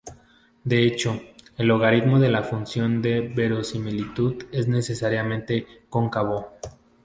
De hecho, el logaritmo de la función de verosimilitud es necesariamente cóncavo.